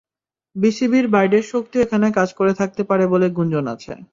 বিসিবির বাইরের শক্তিও এখানে কাজ করে থাকতে পারে বলে গুঞ্জন আছে।